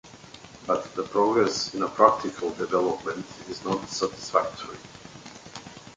But the progress in practical development is not satisfactory.